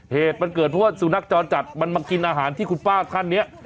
เหตุมันเกิดเพราะว่าสุนัขจรจัดมันมากินอาหารที่คุณป้าท่านเนี่ย